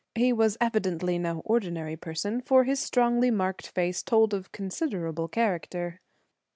He was evidently no ordinary person, for his strongly marked face told of considerable character.